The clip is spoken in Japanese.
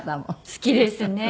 好きですね。